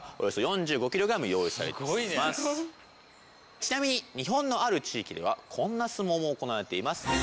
ちなみに日本のある地域ではこんな相撲も行われています。